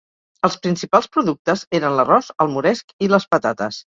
Els principals productes eren l'arròs, el moresc i les patates.